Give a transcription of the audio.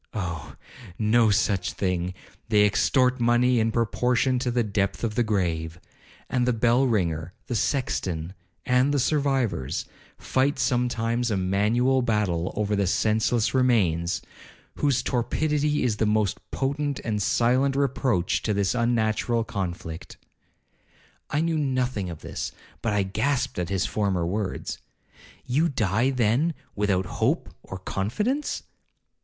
Oh! no such thing—they extort money in proportion to the depth of the grave. And the bell ringer, the sexton, and the survivors, fight sometimes a manual battle over the senseless remains, whose torpidity is the most potent and silent reproach to this unnatural conflict.' I knew nothing of this, but I grasped at his former words, 'You die, then, without hope or confidence?'